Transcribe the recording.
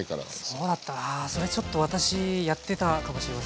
そうだったあそれちょっと私やってたかもしれません。